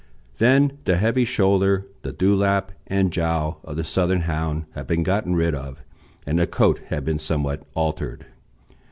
Then the heavy shoulder, the dewlap, and jowl of the Southern Hound had been got rid of, and the coat had been somewhat altered.